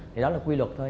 thì đó là quy luật thôi